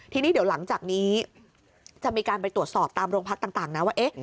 ทีนี้เดี๋ยวหลังจากนี้จะมีการไปตรวจสอบตามโรงพักต่างนะว่า